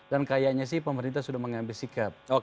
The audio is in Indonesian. dan kayaknya sih pemerintah sudah mengambil sikap